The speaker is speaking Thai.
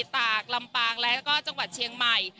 ตากลำปางและ฼ักษ์จังหวัดเชียงใหม่